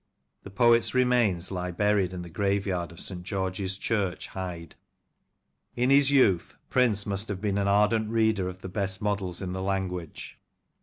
The poet's remains lie buried in the graveyard of SL George's Church, Hyde. In his youth, Prince must have been an ardent reader of the best models in the language.